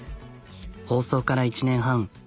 放送から１年半。